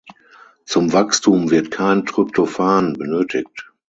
Zum Wachstum wird kein Tryptophan benötigt.